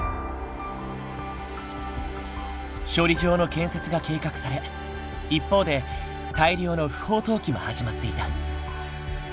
処理場の建設が計画され一方で大量の不法投棄も始まっていた。